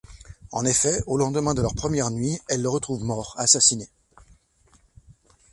En effet, au lendemain de leur première nuit, elle le retrouve mort, assassiné.